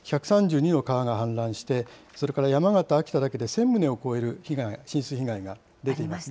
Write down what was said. １３２の川が氾濫して、それから山形、秋田だけで１０００棟を超える被害、浸水被害が出ています。